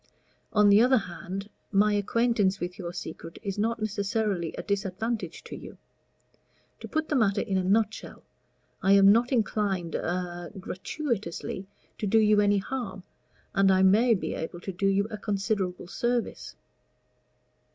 On the other hand, my acquaintance with your secret is not necessarily a disadvantage to you. To put the matter in a nutshell, I am not inclined a gratuitously to do you any harm, and I may be able to do you a considerable service."